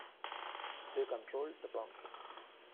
They controlled the pump.